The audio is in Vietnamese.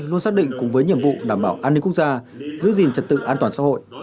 luôn xác định cùng với nhiệm vụ đảm bảo an ninh quốc gia giữ gìn trật tự an toàn xã hội